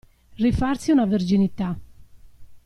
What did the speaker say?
Rifarsi una verginità.